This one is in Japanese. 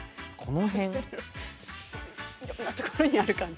いろんなところにある感じ。